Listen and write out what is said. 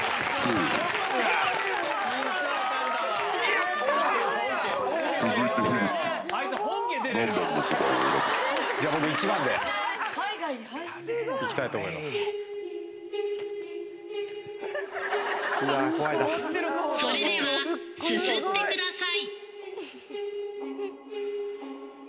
それでは、すすってください。